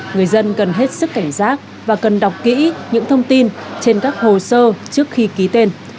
người dân cần hết sức cảnh giác và cần đọc kỹ những thông tin trên các hồ sơ trước khi ký tên